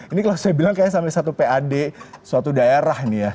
ini kalau saya bilang kayaknya sampai satu pad suatu daerah nih ya